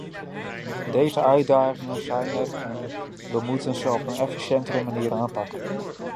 Deze uitdagingen zijn er en we moeten ze op een efficiëntere manier aanpakken.